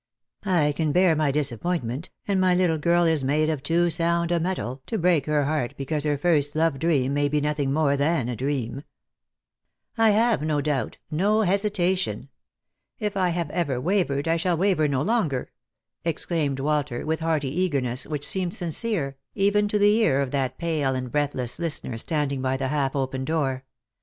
I can bear my disappointment, and my little girl is made of too sound a metal to break her heart because her first love dream may be nothing more than a dream." " I have no doubt — no hesitation. If I have ever wavered, I shall waver no longer," exclaimed Walter with hearty eagerness which seemed sincere even to the ear of that pale and breathless listener standing by the half open door.